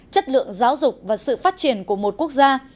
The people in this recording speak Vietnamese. chất lượng giáo dục và sự phát triển của một quốc gia